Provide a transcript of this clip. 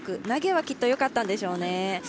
投げはきっとよかったんでしょうね。